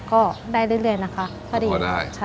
ก็ได้เรื่อยนะคะพอดี